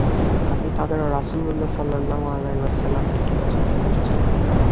আমি তা দ্বারা রাসূলুল্লাহ সাল্লাল্লাহু আলাইহি ওয়াসাল্লামকে হিফাজত করছি।